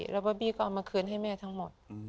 แล้วก็บี้ก็เอามาคืนให้แม่ทั้งหมด